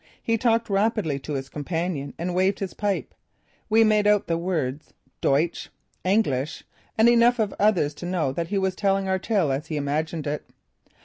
He talked rapidly to his companion and waved his pipe. We made out the words "Duitsch," "Engelsch," and enough of others to know that he was telling our tale as he imagined it.